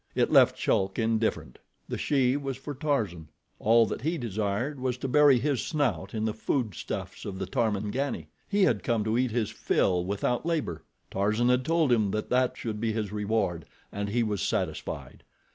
It left Chulk indifferent. The she was for Tarzan—all that he desired was to bury his snout in the foodstuffs of the Tarmangani. He had come to eat his fill without labor—Tarzan had told him that that should be his reward, and he was satisfied.